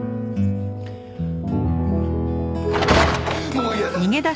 もう嫌だ。